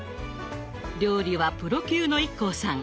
料理はプロ級のＩＫＫＯさん。